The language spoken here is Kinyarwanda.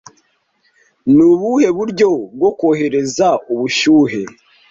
Nubuhe buryo bwo kohereza ubushyuhe